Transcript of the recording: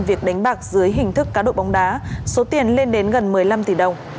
việc đánh bạc dưới hình thức cá độ bóng đá số tiền lên đến gần một mươi năm tỷ đồng